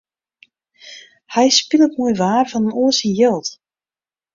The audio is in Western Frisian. Hy spilet moai waar fan in oar syn jild.